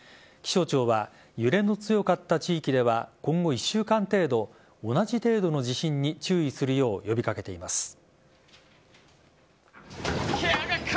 気象庁は揺れの強かった地域では今後１週間程度同じ程度の地震に注意するよう呼び掛けています。